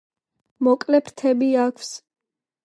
მოკლე ფრთები აქვს.